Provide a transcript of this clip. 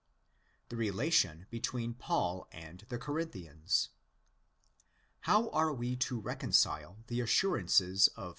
The Relation between Paul and the Corinthians. How are we to reconcile the assurances of 1.